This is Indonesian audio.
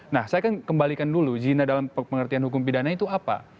nah saya akan kembalikan dulu zina dalam pengertian hukum pidana itu apa